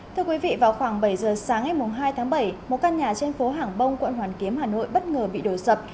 thưa quý vị vào khoảng bảy giờ sáng ngày hai tháng bảy một căn nhà trên phố hàng bông quận hoàn kiếm hà nội bất ngờ bị đổ sập